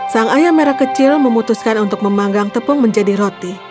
sang ayam merah kecil memutuskan untuk memanggang tepung menjadi roti